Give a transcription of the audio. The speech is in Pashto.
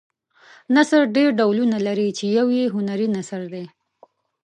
نثر ډېر ډولونه لري چې یو یې هنري نثر دی.